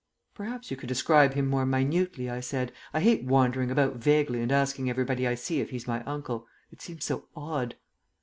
"Perhaps you could describe him more minutely," I said. "I hate wandering about vaguely and asking everybody I see if he's my uncle. It seems so odd."